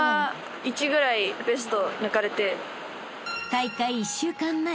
［大会１週間前］